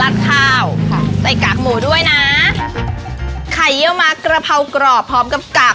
เจียวนานไหมคะแม่